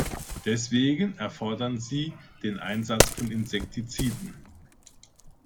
Deswegen erfordern sie den Einsatz von Insektiziden.